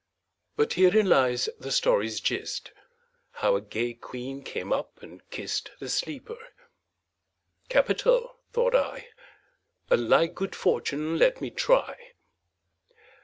But herein lies the story's gist, How a gay queen came up and kist The sleeper. 'Capital!' thought I. 'A like good fortune let me try.'